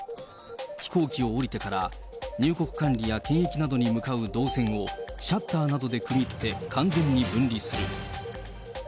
飛行機を降りてから、入国管理や検疫などに向かう動線を、シャッターなどで区切って、完全に分離する。